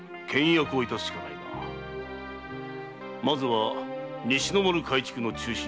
まずは西の丸改築の中止。